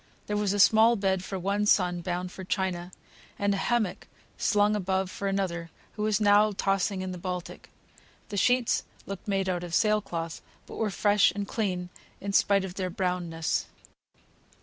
There was a small bed for one son, bound for China; and a hammock slung above for another, who was now tossing in the Baltic. The sheets looked made out of sail cloth, but were fresh and clean in spite of their brownness.